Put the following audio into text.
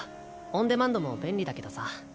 オンデマンドも便利だけどさ。